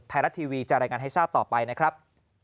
ไทยรัฐทีวีจะรายงานให้ทราบต่อไปนะครับ